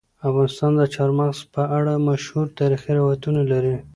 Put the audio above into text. افغانستان د چار مغز په اړه مشهور تاریخي روایتونه لري.